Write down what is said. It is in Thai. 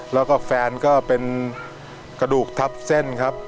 แล้วก็แฟนก็เป็นกระดูกทับเส้นครับ